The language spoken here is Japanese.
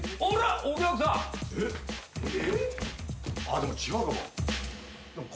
あっでも違うかも。